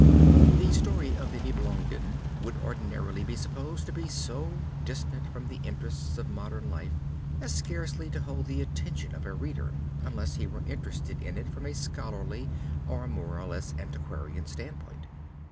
The story of the Nibelungen would ordinarily be supposed to be so distant from the interests of modern life, as scarcely to hold the attention of a reader unless he were interested in it from a scholarly or more or less antiquarian standpoint.